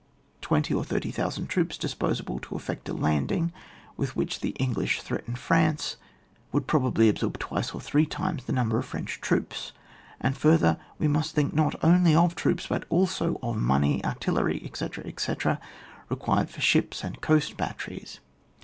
Twenty or thirty thou sand troops disposable to effect a landing, with which the English threaten France, would probably absorb twice or three times the number of French troops ; and, further, we must think not only of troops, but also of money, artillery, etc., etc., required for ships and coast batteries.